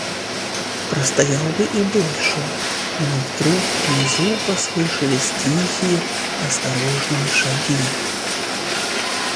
Простоял бы и дольше, но вдруг внизу послышались тихие, осторожные шаги.